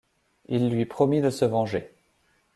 Il lui promet de se venger.